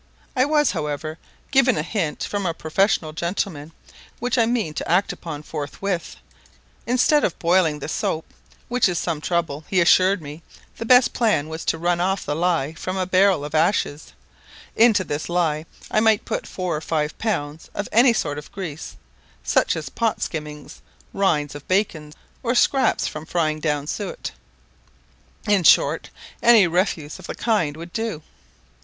I was, however, given a hint from a professional gentleman, which I mean to act upon forthwith. Instead of boiling the soap, which is some trouble, he assured me the best plan was to run off the ley from a barrel of ashes: into this ley I might put four or five pounds of any sort of grease, such as pot skimmings, rinds of bacon, or scraps from frying down suet; in short any refuse of the kind would do.